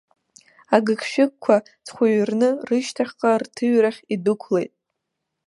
Агыгшәыгқәа ҵхәыҩрны рышьҭахьҟа рҭыҩрахь идәықәлеит.